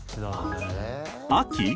秋？